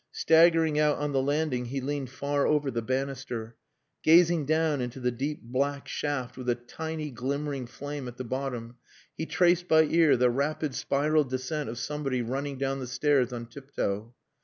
Staggering out on the landing, he leaned far over the banister. Gazing down into the deep black shaft with a tiny glimmering flame at the bottom, he traced by ear the rapid spiral descent of somebody running down the stairs on tiptoe.